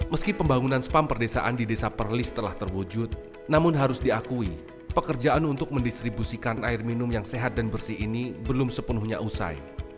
meski pembangunan spam perdesaan di desa perlis telah terwujud namun harus diakui pekerjaan untuk mendistribusikan air minum yang sehat dan bersih ini belum sepenuhnya usai